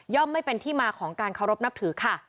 ไม่เป็นที่มาของการเคารพนับถือค่ะ